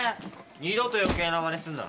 二度と余計なマネすんな。